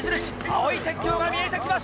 青い鉄橋が見えてきました！